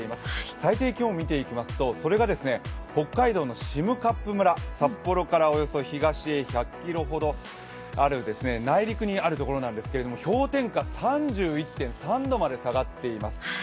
最低気温見ていきますとそれが北海道の占冠村、札幌からおよそ東に１００ｋｍほどある内陸にあるところなんですけど、氷点下３１．３度まで下がっています。